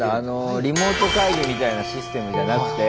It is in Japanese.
リモート会議みたいなシステムじゃなくて。